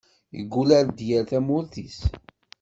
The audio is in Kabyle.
Yeggul ar d-yerr tamurt-is.